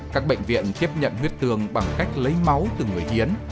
các bệnh viện tiếp nhận huyết tương bằng cách lấy máu từ người hiến